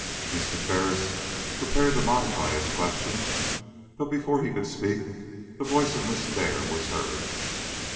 Mr. Ferris prepared to modify his question. But before he could speak the voice of Miss Dare was heard.